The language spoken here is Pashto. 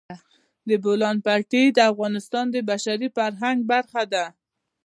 د بولان پټي د افغانستان د بشري فرهنګ برخه ده.